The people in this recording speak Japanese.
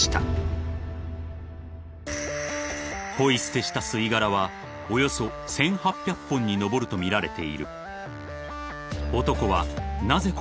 ［ポイ捨てした吸い殻はおよそ１，８００本に上るとみられている］